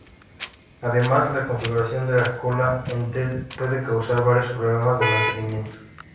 Además, la configuración de la cola en T puede causar varios problemas de mantenimiento.